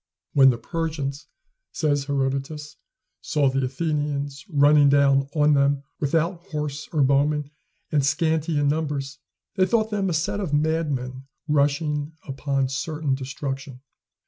"When the Persians," says Herodotus, "saw the Athenians running down on them, without horse or bowmen, and scanty in numbers, they thought them a set of madmen rushing upon certain destruction."